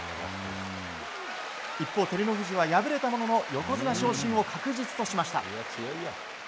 一方、照ノ富士は敗れたものの横綱昇進を確実としました。